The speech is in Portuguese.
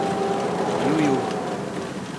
Iuiú